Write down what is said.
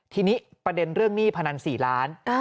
ทีนี้ประเด็นเรื่องหนี้พนัน๔ล้าน